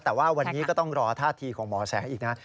แต่ว่าวันนี้ก็ต้องรอท่าทีของหมอแสงอีกนะ